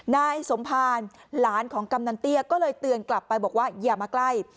นายสมภารหลานของกำนันเตี้ยก็เลยเตือนกลับไปบอกว่าอย่ามาใกล้